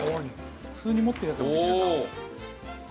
「普通に持ってるやつでもできるんだ」